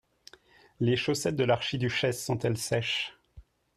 Les chaussettes de l'archiduchesse sont-elles sèches?